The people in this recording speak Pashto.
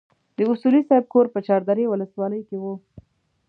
د اصولي صیب کور په چار درې ولسوالۍ کې وو.